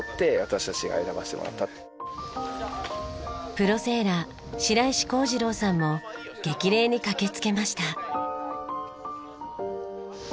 プロセーラー白石康次郎さんも激励に駆けつけました。